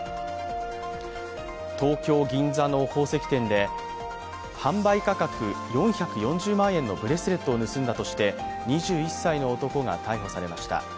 東京・銀座の宝石店で、販売価格４４０万円のブレスレットを盗んだとして２１歳の男が逮捕されました。